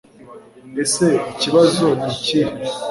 ese ikibazo nikihe